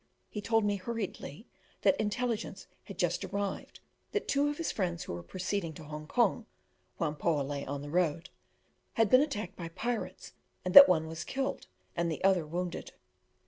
He told me hurriedly that intelligence had just arrived that two of his friends who were proceeding to Hong Kong (Whampoa lay on the road) had been attacked by pirates, and that one was killed and the other wounded.